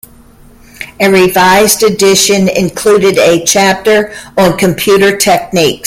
A revised edition included a chapter on computer techniques.